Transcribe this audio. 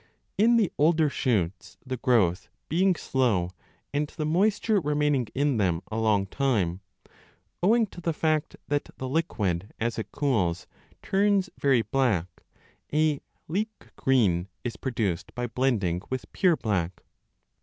In the older shoots, the growth being slow and the moisture remaining in them a long time, owing to the fact that the liquid, as it cools, turns very black, a leek green 10 is produced by blending with pure black.